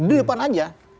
di depan aja